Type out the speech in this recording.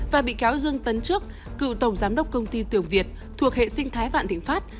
và bị cáo dương tấn trước cựu tổng giám đốc công ty tường việt thuộc hệ sinh thái vạn thịnh pháp